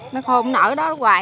nó khôn nổi đó hoài